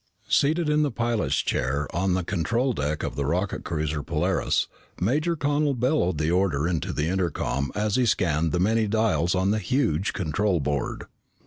Seated in the pilot's chair on the control deck of the rocket cruiser Polaris, Major Connel bellowed the order into the intercom as he scanned the many dials on the huge control board.